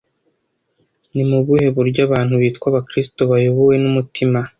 Ni mu buhe buryo abantu bitwa Abakristo bayobowe n’umutimana,